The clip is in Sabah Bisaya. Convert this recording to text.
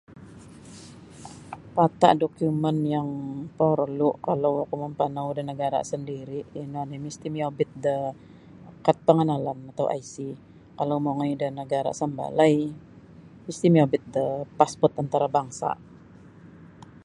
Pata dokumen yang parlu kalau oku mempanau da negara sendiri ino ni misti miyobit da kad panganalan atau IC, kalau mongoi da nagara sambalai misti miyobit da passport antarabangsa.